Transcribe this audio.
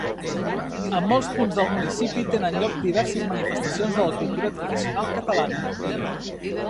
A molts punts del municipi tenen lloc diverses manifestacions de la cultura tradicional catalana.